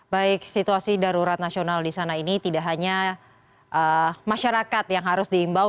baik situasi darurat nasional di sana ini tidak hanya masyarakat yang harus diimbau